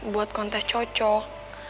buat kontes cocok